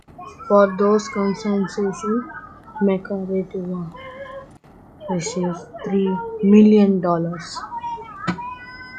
For those concessions, Nicaragua received three million dollars.